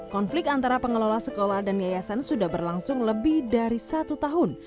konflik antara pengelola sekolah dan yayasan sudah berlangsung lebih dari satu tahun